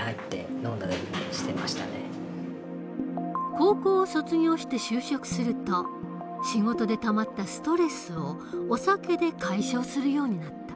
高校を卒業して就職すると仕事でたまったストレスをお酒で解消するようになった。